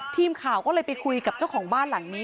ทีมข่าวก็เลยไปคุยกับเจ้าของบ้านหลังนี้